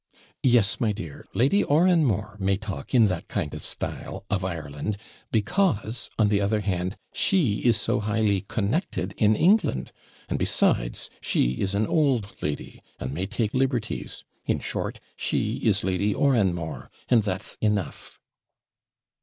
'Yes, my dear, Lady Oranmore may talk in that kind of style of Ireland, because, on the other hand, she is so highly connected in England; and, besides, she is an old lady, and may take liberties; in short, she is Lady Oranmore, and that's enough.'